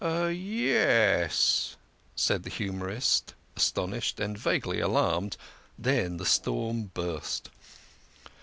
"Ye es," said the humorist, astonished and vaguely alarmed. Then the storm burst.